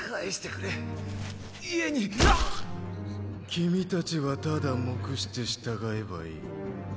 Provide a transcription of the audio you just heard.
君たちはただ黙して従えばいい。